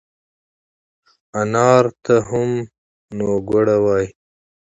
انار ته هم نووګوړه وای